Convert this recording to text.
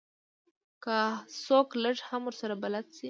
که څوک لږ هم ورسره بلد شي.